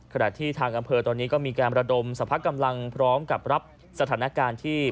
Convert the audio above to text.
ขณะที่ทางอำเภอตอนนี้ก็มีการระดมสรรพกำลังพร้อมกับรับสถานการณ์ที่